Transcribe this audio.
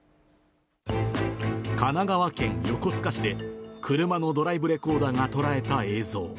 神奈川県横須賀市で、車のドライブレコーダーが捉えた映像。